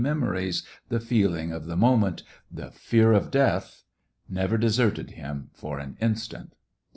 lOI memories the feeling of the moment — the fear of death — never deserted him for an instant.